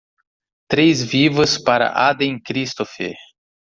Três vivas para Aden Christopher.